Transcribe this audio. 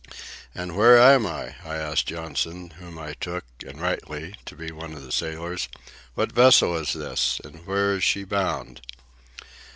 "And where am I?" I asked Johnson, whom I took, and rightly, to be one of the sailors. "What vessel is this, and where is she bound?"